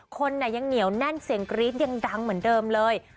คนยังเหนียวแน่นเสียงกรี๊ดยังดังเหมือนเดิมเลย